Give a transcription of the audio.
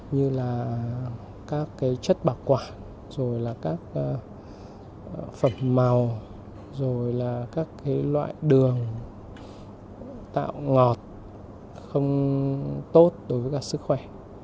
như là các chất bạc quả rồi là các phẩm màu rồi là các loại đường tạo ngọt không tốt đối với các sức khỏe